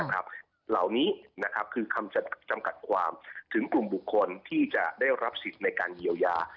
เหล่านี้คือคำจำกัดความถึงกลุ่มบุคคลที่จะได้รับสิทธิ์ในการเยียวยา